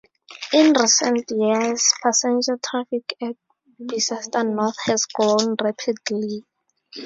In recent years passenger traffic at Bicester North has grown rapidly.